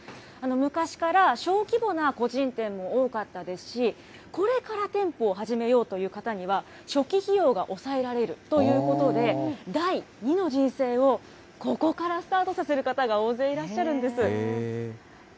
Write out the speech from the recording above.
昔から小規模な個人店も多かったですし、これから店舗を始めようという方には、初期費用が抑えられるということで、第二の人生をここからスタートさせる方が大勢いらっしゃるんです。